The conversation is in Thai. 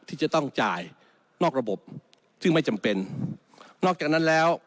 ที่จะต้องจ่ายนอกระบบซึ่งไม่จำเป็นนอกจากนั้นแล้ว